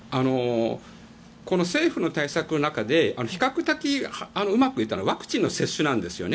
政府の対策の中で比較的うまくいったのはワクチンの接種なんですね。